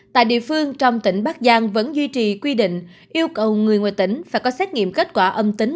tại địa phương trong tỉnh bắc giang vẫn duy trì quy định yêu cầu người ngoài tỉnh phải có xét nghiệm kết quả âm tính